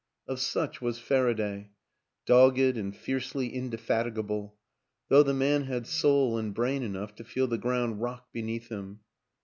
Of such was Faraday, dogged and fiercely inde fatigable; though the man had soul and brain enough to feel the ground rock beneath him.